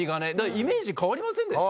イメージ変わりませんでした？